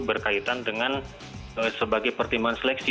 berkaitan dengan sebagai pertimbangan seleksi